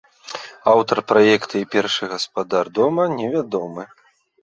Аўтар праекта і першы гаспадар дома не вядомы.